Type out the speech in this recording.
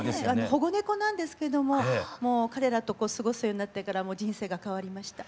保護猫なんですけども彼らと過ごすようになってから人生が変わりました。